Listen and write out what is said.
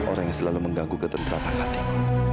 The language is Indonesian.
orang yang selalu mengganggu ketenteraan hatiku